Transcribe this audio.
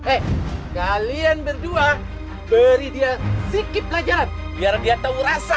eh kalian berdua beri dia sedikit ajaran biar dia tahu rasa